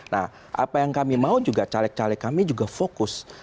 nah apa yang kami mau juga caleg caleg kami juga fokus